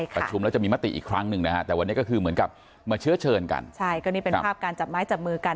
ประชุมแล้วจะมีมติอีกครั้งหนึ่งนะฮะแต่วันนี้ก็คือเหมือนกับมาเชื้อเชิญกันใช่ก็นี่เป็นภาพการจับไม้จับมือกัน